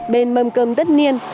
bên mâm cơm tất niên